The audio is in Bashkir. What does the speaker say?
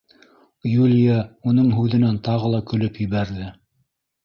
Юлия уның һүҙенән тағы ла көлөп ебәрҙе: